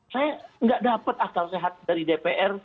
saya tidak dapat akal sehat dari dpr